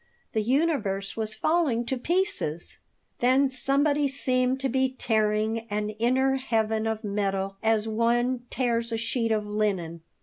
The universe was falling to pieces. Then somebody seemed to be tearing an inner heaven of metal as one tears a sheet of linen.